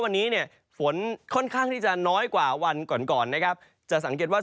วันนี้เนี่ยฝนค่อนข้างที่จะน้อยกว่าวันก่อนก่อนนะครับจะสังเกตว่า